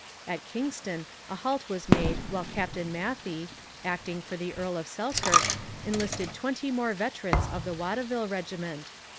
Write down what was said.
At Kingston a halt was made while Captain Matthey, acting for the Earl of Selkirk, enlisted twenty more veterans of the Watteville regiment.